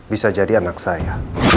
bisa jadi anak saya